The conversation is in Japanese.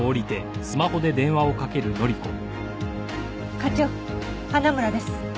課長花村です。